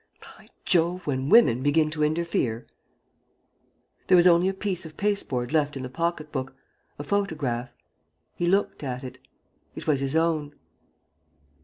By Jove, when women begin to interfere ...!" There was only a piece of pasteboard left in the pocket book, a photograph. He looked at it. It was his own.